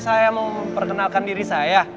saya mau memperkenalkan diri saya